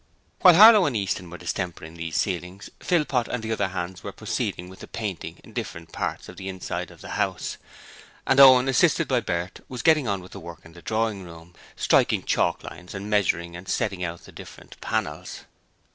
While Harlow and Easton were distempering these ceilings, Philpot and the other hands were proceeding with the painting in different parts of the inside of the house, and Owen, assisted by Bert, was getting on with the work in the drawing room, striking chalk lines and measuring and setting out the different panels.